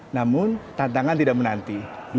namun tantangan tidak menanti